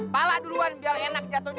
pala duluan biar enak jatuhnya